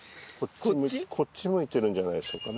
こっち向いてるんじゃないでしょうかね。